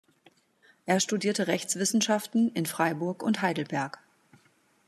Er studierte Rechtswissenschaften in Freiburg und Heidelberg.